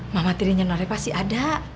mama tirinya non reva sih ada